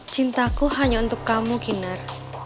cintaku hanya untuk kamu kinar